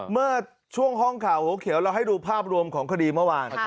เมื่อช่วงห้องข่าวหัวเขียวเราให้ดูภาพรวมของคดีเมื่อวาน